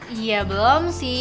iya belum sih